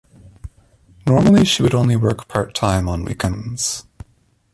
Normally, she would only work part-time on weekends.